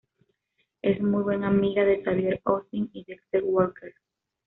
Es muy buen amiga de Xavier Austin y Dexter Walker.